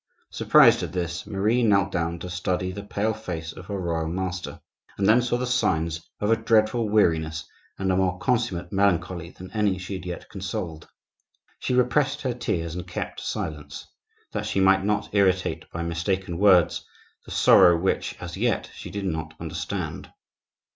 Surprised at this, Marie knelt down to study the pale face of her royal master, and then saw the signs of a dreadful weariness and a more consummate melancholy than any she had yet consoled. She repressed her tears and kept silence, that she might not irritate by mistaken words the sorrow which, as yet, she did not understand.